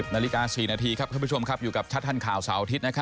๑๐นาฬิกา๔นาทีครับที่อยู่กับชัดท่านค่าสาวอาทิตย์